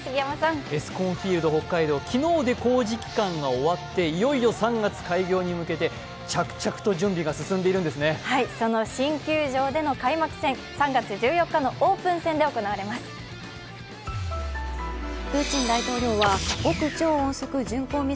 エスコンフィールド北海道、昨日で工事期間が終わっていよいよ３月開業に向けて新球場での開幕戦、３月１４日のオープン戦で行われますパパ、もうすぐ６０歳だね！